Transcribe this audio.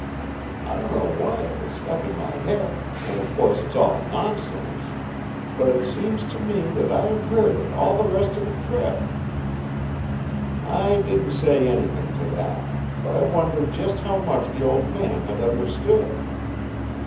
I don't know why it has stuck in my head, and of course it's all nonsense; but it seems to me that I have heard it all the rest of the trip." I didn't say anything to that, but I wondered just how much the old man had understood.